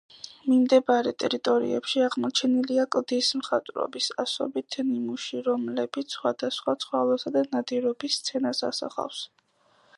მიმდებარე ტერიტორიებში აღმოჩენილია კლდის მხატვრობის ასობით ნიმუში, რომლებიც სხვადასხვა ცხოველსა და ნადირობის სცენას ასახავს.